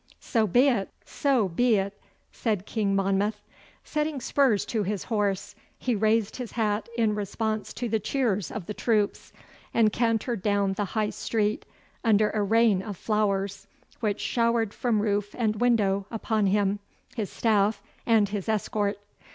'So be it! So be it!' said King Monmouth. Setting spurs to his horse, he raised his hat in response to the cheers of the troops and cantered down the High Street under a rain of flowers, which showered from roof and window upon him, his staff, and his escort.